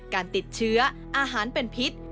การติดเชื้ออาหารเป็นพิษ